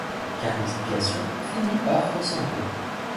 Car l'explication finit-par ressembler